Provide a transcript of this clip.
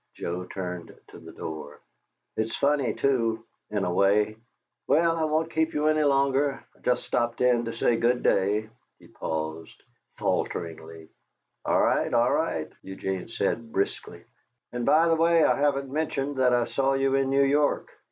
Joe turned to the door. "It's funny, too in a way. Well I won't keep you any longer. I just stopped in to say good day " He paused, faltering. "All right, all right," Eugene said, briskly. "And, by the way, I haven't mentioned that I saw you in New York."